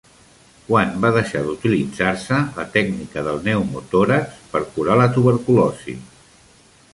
Quan va deixar d'utilitzar-se la tècnica del pneumotòrax per cura la tuberculosi?